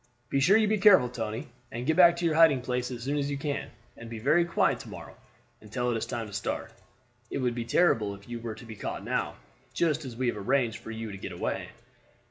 Be sure you be careful, Tony, and get back to your hiding place as soon as you can, and be very quiet to morrow until it is time to start. It would be terrible if you were to be caught now, just as we have arranged for you to get away."